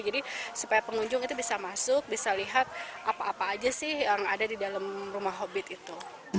jadi supaya pengunjung itu bisa masuk bisa lihat apa apa aja sih yang ada di dalam rumah hobbit itu